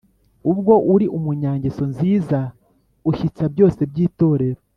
Ubwo uri umunyangeso nziza, Ushyitsa byose by'Itorero